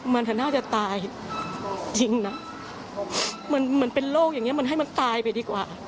มันเป็นโรคอย่างนี้มันให้มันตายไปดีกว่า